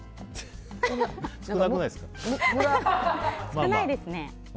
少ないですね。